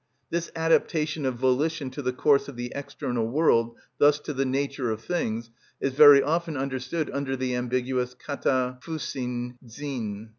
This adaptation of volition to the course of the external world, thus to the nature of things, is very often understood under the ambiguous κατα φυσιν ζην.